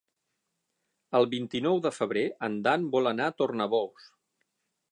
El vint-i-nou de febrer en Dan vol anar a Tornabous.